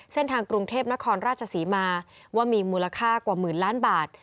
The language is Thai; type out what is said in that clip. เส้นทางกรุงเทพนครราชศรีมาว่ามีมูลค่ากว่าหมื่นล้านบาท